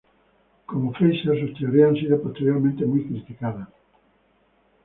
Como Frazer, sus teorías han sido posteriormente muy criticadas.